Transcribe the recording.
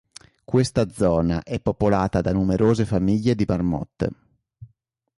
Questa zona è popolata da numerose famiglie di marmotte.